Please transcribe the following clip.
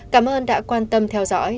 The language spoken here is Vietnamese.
cảm ơn đã quan tâm theo dõi